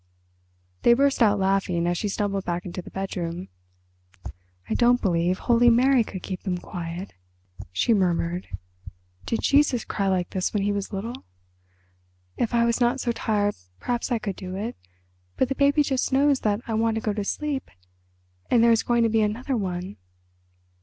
They burst out laughing as she stumbled back into the bedroom. "I don't believe Holy Mary could keep him quiet," she murmured. "Did Jesus cry like this when He was little? If I was not so tired perhaps I could do it; but the baby just knows that I want to go to sleep. And there is going to be another one."